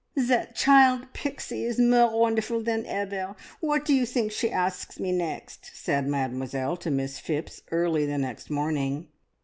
"That child Pixie is more wonderful than ever. What do you think she asks me next?" said Mademoiselle to Miss Phipps early the next morning.